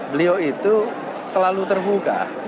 beliau itu selalu terhuka